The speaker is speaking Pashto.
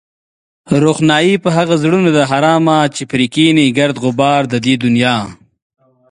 روښنايي په هغو زړونو ده حرامه چې پرې کېني گرد غبار د دې دنيا